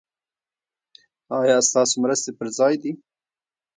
ایا ستاسو مرستې پر ځای دي؟